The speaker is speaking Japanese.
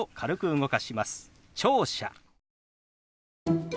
「聴者」。